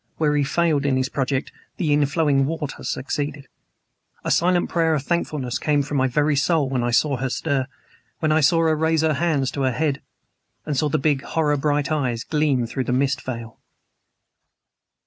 Where he failed in his project, the inflowing water succeeded. A silent prayer of thankfulness came from my very soul when I saw her stir when I saw her raise her hands to her head and saw the big, horror bright eyes gleam through the mist veil.